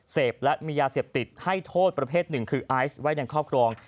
เสพและมียาเสพติดให้โทษประเภทหนึ่งคือไอซ์ไว้ในครอบครอง